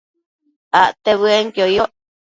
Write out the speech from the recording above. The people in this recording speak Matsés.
Acte bëenquio yoc